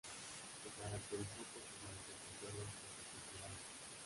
Se caracterizó por sus manifestaciones socioculturales.